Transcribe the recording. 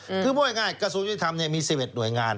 คือพูดง่ายกระทรวงยุทธรรมเนี่ยมี๑๑หน่วยงาน